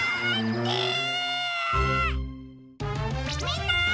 みんな！